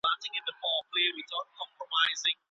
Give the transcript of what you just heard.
الهي هدايت دادی، چي ګذاره دي ورسره وسي.